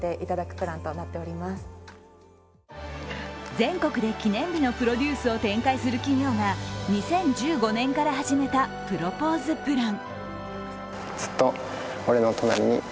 全国で記念日のプロデュースを展開する企業が２０１５年から始めたプロポーズプラン。